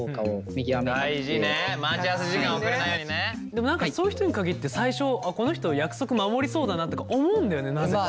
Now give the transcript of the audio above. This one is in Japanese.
でも何かそういう人に限って最初この人約束守りそうだなとか思うんだよねなぜか。